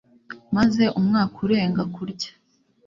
Maze umwaka urenga kurya.